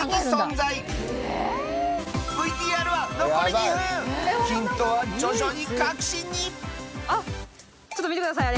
いわばヒントは徐々に確信にあっちょっと見てください